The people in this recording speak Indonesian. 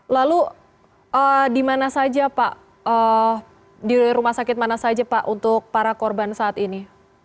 lalu di rumah sakit mana saja pak untuk para korban saat ini